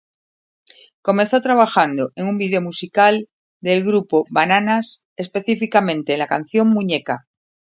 Comenzó trabajando en un video musical del Grupo Bananas, específicamente la canción "Muñeca".